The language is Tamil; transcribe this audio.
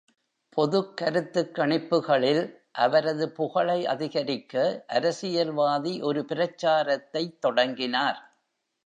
பொதுக் கருத்துக் கணிப்புகளில் அவரது புகழை அதிகரிக்க, அரசியல்வாதி ஒரு பிரச்சாரத்தைத் தொடங்கினார்.